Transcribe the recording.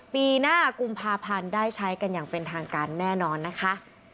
ปีหน้ากุมภาพันธ์ได้ใช้กันอย่างเป็นทางการแน่นอนนะคะ